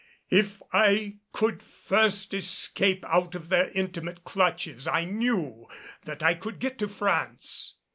If I could first escape out of their intimate clutches I knew that I could get to France.